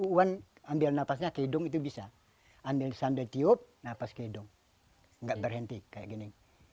bu an ambil nafasnya ke hidung itu bisa ambil sambil tiup nafas ke hidung nggak berhenti kayak gini